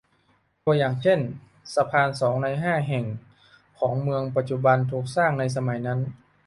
ตัวอย่างเช่น สะพานสองในห้าแห่งของเมืองปัจจุบันถูกสร้างในสมัยนั้น